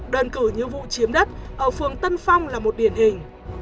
đơn cử như vụ chiếm đất ở phường tân phong là một điển hình